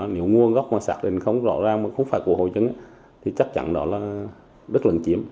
nếu nguồn gốc mà sạt lên không rõ ràng mà không phải của hội chứng thì chắc chắn đó là đất lấn chiếm